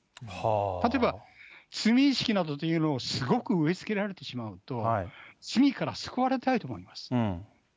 例えば、罪意識などというのをすごく植えつけられてしまうと、罪から救われたいと思います。